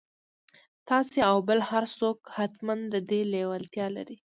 تاسې او بل هر څوک حتماً د دې لېوالتيا لرئ.